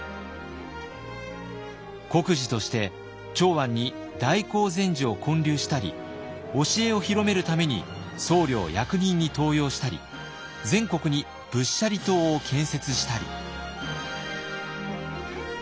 国寺として長安に大興善寺を建立したり教えを広めるために僧侶を役人に登用したり全国に仏舎利塔を建設したり。